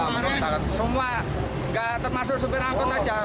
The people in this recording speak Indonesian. menurun banget semua nggak termasuk sopir angkut aja